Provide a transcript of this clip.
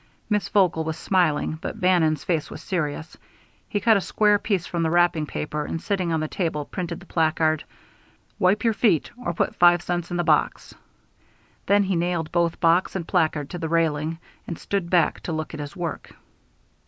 Miss Vogel was smiling, but Bannon's face was serious. He cut a square piece from the wrapping paper, and sitting on the table, printed the placard: "Wipe your feet! Or put five cents in the box." Then he nailed both box and placard to the railing, and stood back to look at his work.